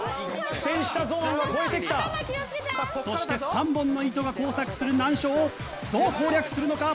そして３本の糸が交錯する難所をどう攻略するのか？